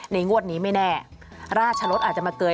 งวดนี้ไม่แน่ราชรสอาจจะมาเกย